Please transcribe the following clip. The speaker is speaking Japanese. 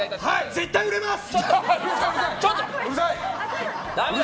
絶対売れます！